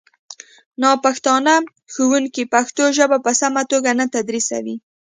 ناپښتانه ښوونکي پښتو ژبه په سمه توګه نه تدریسوي